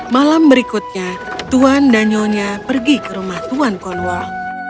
malam berikutnya tuan dan nyonya pergi ke rumah tuan cornwall